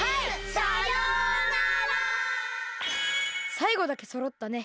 さいごだけそろったね！